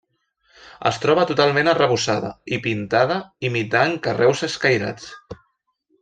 Es troba totalment arrebossada i pintada, imitant carreus escairats.